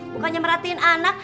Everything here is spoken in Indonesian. bukannya merhatiin anak